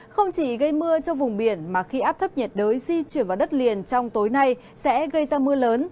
không chỉ gây mưa cho vùng biển mà khi áp thấp nhiệt đới di chuyển vào đất liền trong tối nay sẽ gây ra mưa lớn